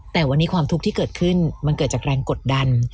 แต่วันนี้ความทุกข์ที่เกิดขึ้นมันเกิดจากแรงกดดัน